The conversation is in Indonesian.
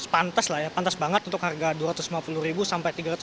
pantes lah ya pantas banget untuk harga dua ratus lima puluh ribu sampai tiga ratus lima puluh